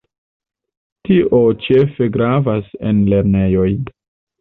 Tio ĉefe gravas en lernejoj.